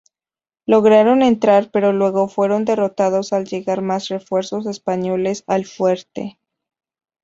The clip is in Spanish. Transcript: Lograron entrar, pero luego fueron derrotados al llegar más refuerzos españoles al fuerte.